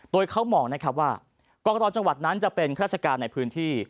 โดยเขามองนะครับว่ากรจังหวัดนั้นจะเป็นข้าราชการในพื้นที่